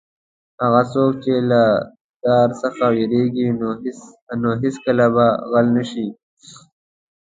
هغه څوک چې له دار څخه وېرېږي نو هېڅکله به غل نه شي.